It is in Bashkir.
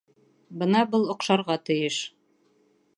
Бына был оҡшарға тейеш.